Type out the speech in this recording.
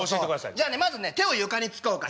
じゃまずね手を床につこうか。